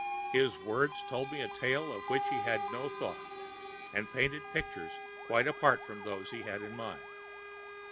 His words told me a tale of which he had no thought, and painted pictures quite apart from those he had in mind.